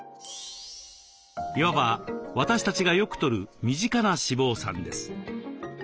いわば私たちがよくとる身近な脂肪酸です。